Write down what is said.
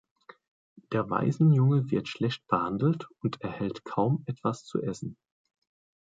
Der Waisenjunge wird schlecht behandelt und erhält kaum etwas zu essen.